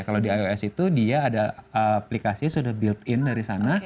kalau di ios itu dia ada aplikasi sudah build in dari sana